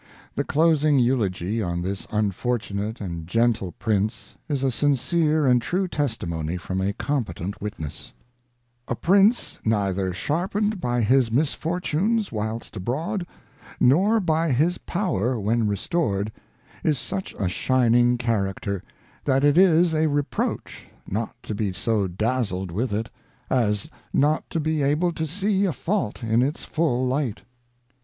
The closing eulogy on this unfortunate and gentle Prince is a sincere and true testimony from a competent witness :' A Prince neither sharpened by his Misfortunes whilst Abroad, nor by his Power when restored, is such a shining Character, that it is a Reproach not to be so dazzled with it, as not to be able to see a Fault in its full Light.